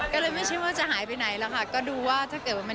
ก็เลยไม่ใช่ว่าจะหายไปไหนละค่ะ